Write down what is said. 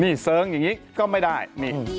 นี่เซิงอย่างนี้ก็ไม่ได้